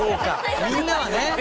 みんなはね。